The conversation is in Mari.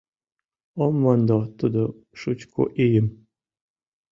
Ом мондо тудо шучко ийым...